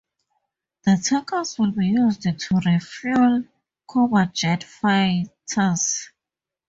The tankers will be used to refuel combat jet fighters.